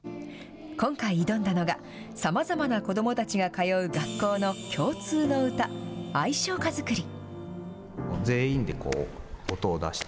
今回、挑んだのが、さまざまな子どもたちが通う学校の共通の歌、愛唱歌作り。